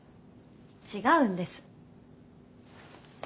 違うんです。